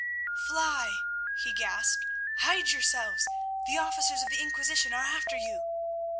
"Fly!" he gasped. "Hide yourselves! The officers of the Inquisition are after you!"